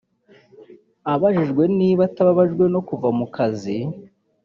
Abajijwe niba atabababajwe no kuva mu kazi